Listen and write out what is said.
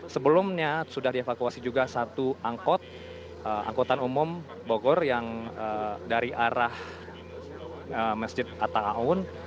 sebelumnya sudah dievakuasi juga satu angkot angkutan umum bogor yang dari arah masjid atta aun